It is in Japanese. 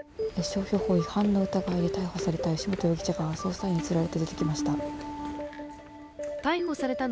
商標法違反の疑いで逮捕された由元容疑者が捜査員に連れられて出てきました。